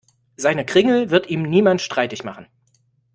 Seine Kringel wird ihm niemand streitig machen.